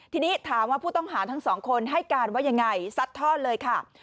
ทีนี้ถามว่าผู้ต้องหาทั้งสองคนให้การว่ายังไงซัดทอดเลยค่ะ